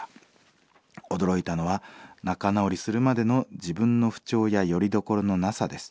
驚いたのは仲直りするまでの自分の不調やよりどころのなさです。